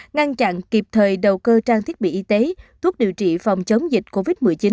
ngăn chặn kịp thời đầu cơ trang thiết bị y tế thuốc điều trị phòng chống dịch covid một mươi chín